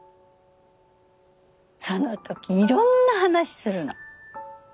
その時いろんな話するの。